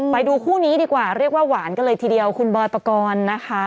ไปดูคู่นี้ดีกว่าเรียกว่าหวานกันเลยทีเดียวคุณบอยปกรณ์นะคะ